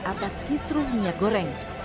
atas kisru minyak goreng